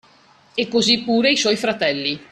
E così pure i suoi fratelli